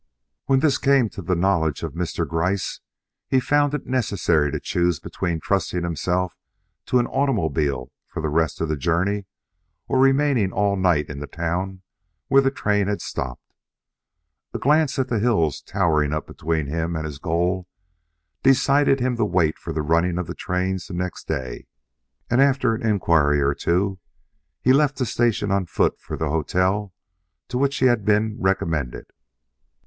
When this came to the knowledge of Mr. Gryce, he found it necessary to choose between trusting himself to an automobile for the rest of the journey, or of remaining all night in the town where the train had stopped. A glance at the hills towering up between him and his goal decided him to wait for the running of the trains next day; and after an inquiry or two, he left the station on foot for the hotel to which he had been recommended.